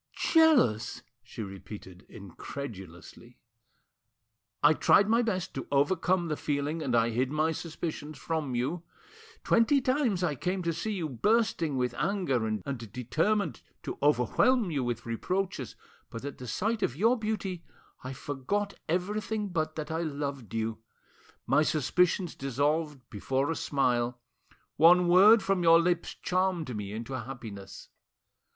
"Jealous!" she repeated incredulously. "I tried my best to overcome the feeling, and I hid my suspicions from you. Twenty times I came to see you bursting with anger and determined to overwhelm you with reproaches, but at the sight of your beauty I forgot everything but that I loved you. My suspicions dissolved before a smile; one word from your lips charmed me into happiness.